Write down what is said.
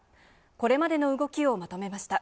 これまでの動きをまとめました。